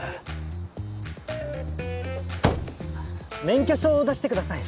免許証を出してください。